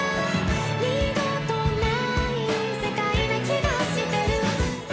「二度とない世界な気がしてる」